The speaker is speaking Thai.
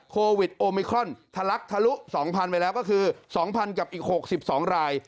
โควิดโอมิครอนทะลักทะลุ๒๐๐๐ไปแล้วก็คือ๒๐๐กับอีก๖๒ราย